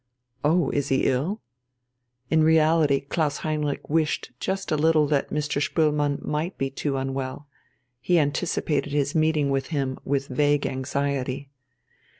"Oh, is he ill?" In reality Klaus Heinrich wished just a little that Mr. Spoelmann might be too unwell. He anticipated his meeting with him with vague anxiety.